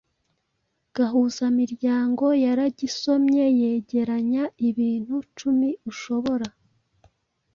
Gahuzamiryango yaragisomye, yegeranya ibintu cumi ushobora